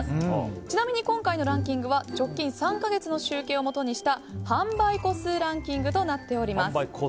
ちなみに今回のランキングは直近３か月の集計をもとにした販売個数ランキングとなっております。